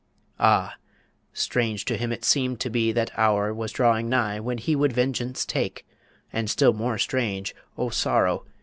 Ah! strange to him it seemed to be That hour was drawing nigh when he Would vengeance take ... And still more strange, O sorrow!